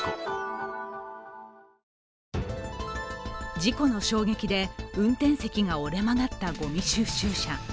事故の衝撃で運転席が折れ曲がったごみ収集車。